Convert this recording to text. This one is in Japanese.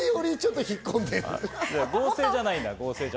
合成じゃないんだね。